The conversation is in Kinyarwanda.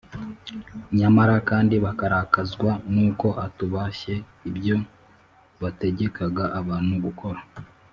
Nyamara kandi bakarakazwa n’uko atubashye ibyo bategekaga abantu gukora.